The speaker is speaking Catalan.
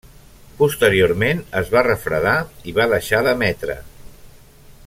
Posteriorment es va refredar i va deixar d'emetre.